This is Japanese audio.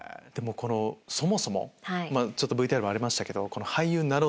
そもそもＶＴＲにもありましたけど。